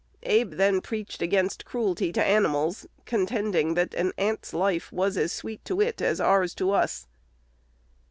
Abe then preached against cruelty to animals, contending that an ant's life was as sweet to it as ours to us."